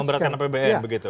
memberatkan apbn begitu